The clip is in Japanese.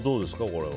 これは。